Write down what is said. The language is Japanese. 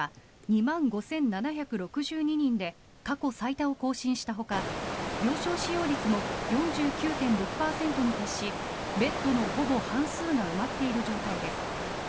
大阪府の昨日の新規感染者数は２万５７６２人で過去最多を更新したほか病床使用率も４９．６％に達しベッドのほぼ半数が埋まっている状態です。